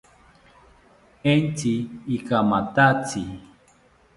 Entzi ikamathatzi